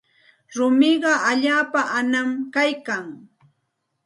Rumiqa allaapa anam kaykan.